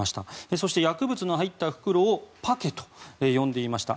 そして、薬物の入った袋をパケと呼んでいました。